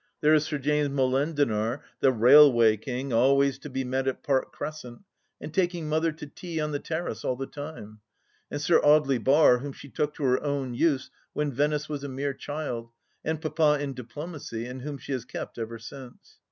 There is Sir James Molen dinar, the railway king, always to be met at Park Crescent, and taking Mother to tea on the Terrace all the time ; and Sir Audely Bar, whom she took to her own use when Venice was a mere child and Papa in Diplomacy, and whom she has kept ever since.